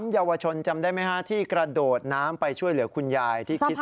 เยาวชนจำได้ไหมฮะที่กระโดดน้ำไปช่วยเหลือคุณยายที่คิด